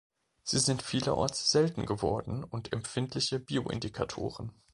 Sie sind vielerorts selten geworden und empfindliche Bioindikatoren.